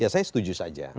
saya setuju saja